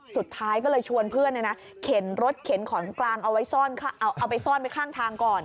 สุดท้ายก็เลยชวนเพื่อนเข็นรถเข็นของกลางเอาไว้เอาไปซ่อนไว้ข้างทางก่อน